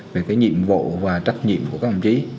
về cái nhiệm vụ và trách nhiệm của các đồng chí